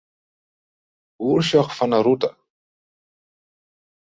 Oersjoch fan 'e rûte.